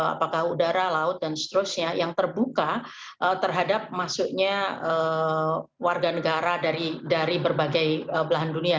apakah udara laut dan seterusnya yang terbuka terhadap masuknya warga negara dari berbagai belahan dunia